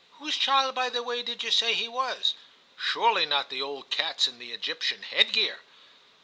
Whose child, by the way, did you say he was? Surely not the old cat's in the Egyptian headgear.'